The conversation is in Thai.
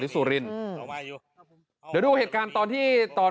อ๋อสิงหาทวมขอน